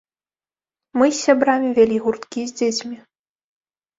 Мы з сябрамі вялі гурткі з дзецьмі.